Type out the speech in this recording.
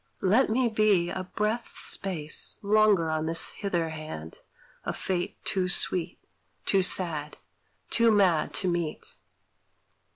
Let me be A breath's space longer on this hither hand Of fate too sweet, too sad, too mad to meet.